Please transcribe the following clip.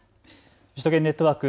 首都圏ネットワーク